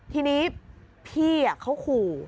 ทีนี้พี่เขาขู่